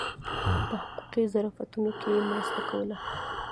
په حقوقي ظرافتونو کې یې مرسته کوله.